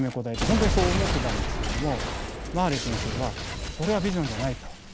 本当にそう思ってたんですけどもマーレー先生はそれはビジョンじゃないと。